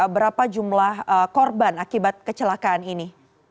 berapa jumlah korban akibat kecelakaan ini